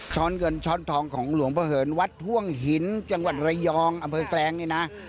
้อนเงินช้อนทองของหลวงพระเหินวัดพ่วงหินจังหวัดระยองอำเภอแกลงนี่นะ